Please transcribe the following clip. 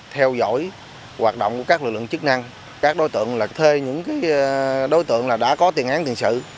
theo dõi hoạt động của các lực lượng chức năng các đối tượng là thuê những đối tượng đã có tiền án tiền sự